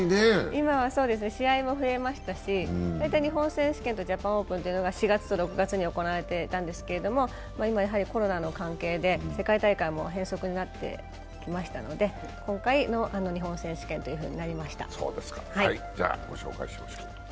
今は試合も増えましたし、大体、日本選手権とジャパンオープンというのが４月と６がつに行われていたんですけどやはりコロナの関係で世界大会も変則になってきましたので、今回の日本選手権となりました。